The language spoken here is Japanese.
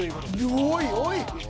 おーい、おい。